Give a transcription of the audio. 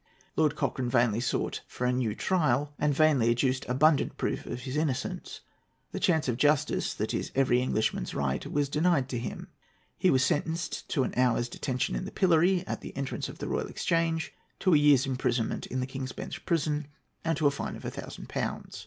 Lord Cochrane vainly sought for a new trial, and vainly adduced abundant proof of his innocence. The chance of justice that is every Englishman's right was denied to him. He was sentenced to an hour's detention in the pillory at the entrance of the Royal Exchange, to a year's imprisonment in the King's Bench Prison, and to a fine of a thousand pounds.